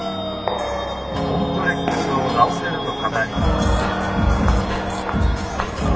コンプレックスを直せるとかたり」。